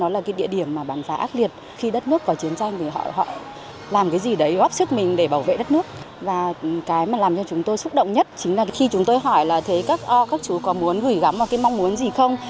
làm cái gì đấy góp sức mình để bảo vệ đất nước và cái mà làm cho chúng tôi xúc động nhất chính là khi chúng tôi hỏi là thế các chú có muốn gửi gắm vào cái mong muốn gì không